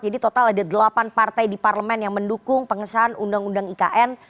jadi total ada delapan partai di parlemen yang mendukung pengesahan undang undang ikn